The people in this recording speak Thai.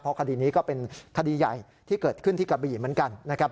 คดีนี้ก็เป็นคดีใหญ่ที่เกิดขึ้นที่กระบี่เหมือนกันนะครับ